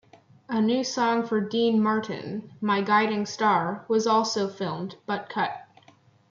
A new song for Dean Martin, "My Guiding Star" was also filmed but cut.